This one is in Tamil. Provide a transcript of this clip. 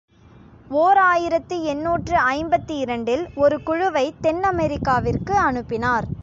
ஓர் ஆயிரத்து எண்ணூற்று ஐம்பத்திரண்டு இல் ஒரு குழுவைத் தென்னமெரிக்காவிற்கு அனுப்பினார்.